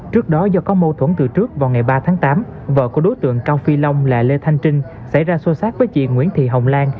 trước đó do có mâu thuẫn từ trước vào ngày ba tháng tám vợ của đối tượng cao phi long là lê thanh trinh xảy ra xô xát với chị nguyễn thị hồng lan